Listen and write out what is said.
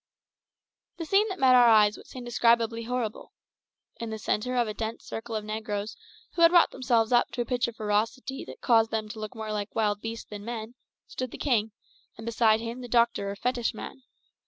The scene that met our eyes was indescribably horrible. In the centre of a dense circle of negroes, who had wrought themselves up to a pitch of ferocity that caused them to look more like wild beasts than men, stood the king, and beside him the doctor or fetishman.